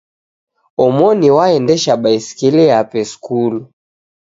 Omoni waendesha baskili yape skulu.